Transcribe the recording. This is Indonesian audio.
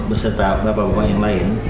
beserta bapak bapak yang lain